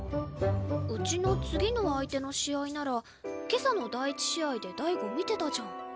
うちの次の相手の試合なら今朝の第１試合で大吾見てたじゃん。